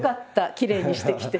きれいにしてきて。